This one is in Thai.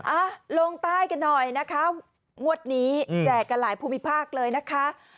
อ่ะลงใต้กันหน่อยนะคะงวดนี้แจกกันหลายภูมิภาคเลยนะคะ